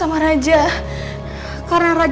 aku akan menangis